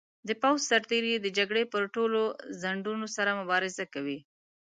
د پوځ سرتیري د جګړې پر ټولو ځنډونو سره مبارزه کوي.